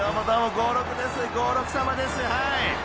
５６様ですはい］